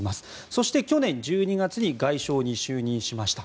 そして、去年１２月に外相に就任しました。